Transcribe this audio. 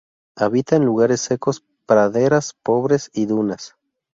Habita en lugares secos, praderas pobres y dunas.